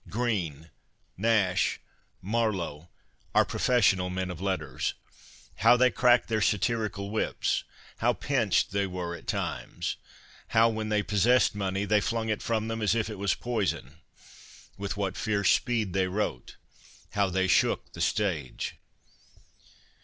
Greene, Nash, Marlowe — our professional men of letters — how they cracked their satirical whips, how pinched they were at times ; how, when they possessed money, they flung it from them as if it was poison ; with what fierce speed they wrote, how they shook the stage.'